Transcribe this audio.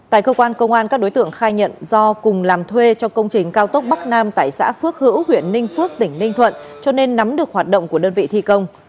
tại cơ quan công an các đối tượng khai nhận do cùng làm thuê cho công trình cao tốc bắc nam tại xã phước hữu huyện ninh phước tỉnh ninh thuận cho nên nắm được hoạt động của đơn vị thi công